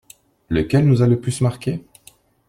Lequel nous a le plus marqué?